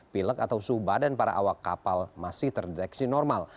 pilek atau suhu badan para awak kapal masih terdeteksi normal